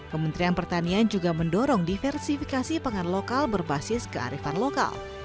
kementerian pertanian juga mendorong diversifikasi pangan lokal berbasis kearifan lokal